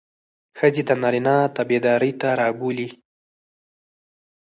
ښځې د نارينه تابعدارۍ ته رابولي.